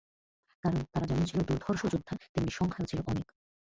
কারণ, তারা যেমন ছিল দুর্ধর্ষ যোদ্ধা তেমনি সংখ্যায়ও ছিল অনেক।